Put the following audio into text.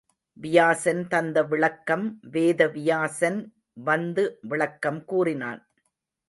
வியாசன் தந்த விளக்கம் வேத வியாசன் வந்து விளக்கம் கூறினான்.